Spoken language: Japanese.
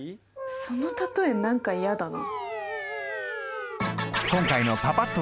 その例え何かやだな。